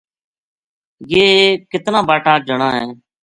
یہ کتنا باٹا جنا ہے